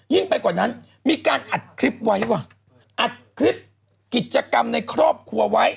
ไปกว่านั้นมีการอัดคลิปไว้ว่ะอัดคลิปกิจกรรมในครอบครัวไว้